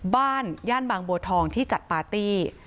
ย่านบางบัวทองที่จัดปาร์ตี้